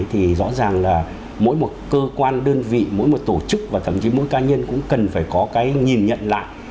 thì rõ ràng là mỗi một cơ quan đơn vị mỗi một tổ chức và thậm chí mỗi ca nhân cũng cần phải có cái nhìn nhận lại